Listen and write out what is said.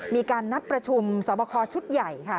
มีการนัดประชุมสอบคอชุดใหญ่ค่ะ